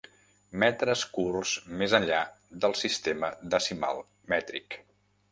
Metres curts més enllà del sistema decimal mètric.